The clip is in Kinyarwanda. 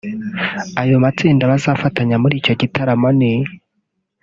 ayo matsinda bazafatanya muri icyo gitaramo ni